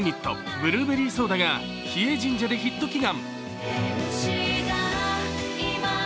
ブルーベリーソーダが日枝神社でヒット祈願。